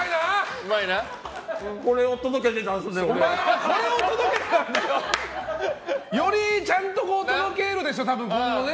お前はこれを届けてたんだよ！よりちゃんと届けるでしょ今後。